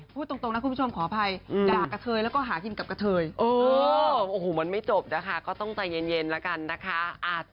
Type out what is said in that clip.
พูดตรงนะคุณผู้ชมขออภัยด่ากะเทยแล้วก็หากินกับกะเทยโอ้โหมันไม่จบนะคะก็ต้องใจเย็นแล้วกันนะคะ